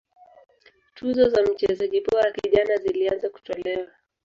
tuzo za mchezaji bora kijana zilianza kutolewa